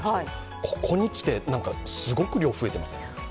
ここにきて、すごく量が増えてませんか？